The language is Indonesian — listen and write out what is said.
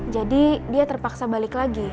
jadi dia terpaksa balik lagi